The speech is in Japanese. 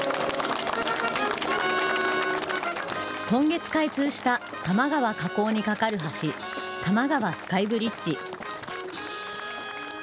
今月、開通した多摩川河口に架かる橋、多摩川スカイブリッジ。